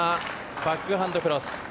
バックハンドクロス。